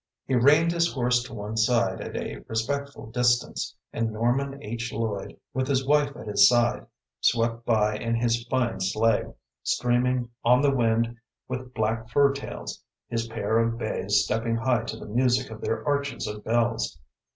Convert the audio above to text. He reined his horse to one side at a respectful distance, and Norman H. Lloyd, with his wife at his side, swept by in his fine sleigh, streaming on the wind with black fur tails, his pair of bays stepping high to the music of their arches of bells.